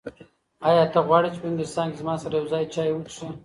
ایا ته غواړې چې په انګلستان کې زما سره یو ځای چای وڅښې؟